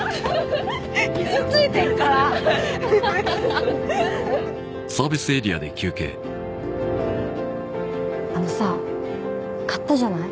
傷ついてっからあのさ買ったじゃない？